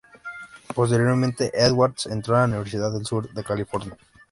Posteriormente, Edwards entró la Universidad del Sur de California.